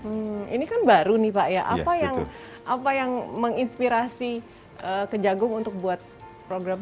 hmm ini kan baru nih pak ya apa yang apa yang menginspirasi kejagung untuk buat program